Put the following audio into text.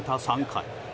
３回。